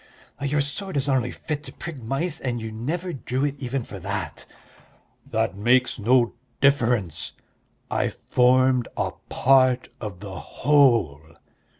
"Your sword is only fit to prick mice, and you never drew it even for that." "That makes no difference; I formed a part of the whole."